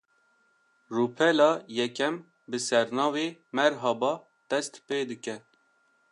Rûpela yekem, bi sernavê "Merhaba" dest pê dike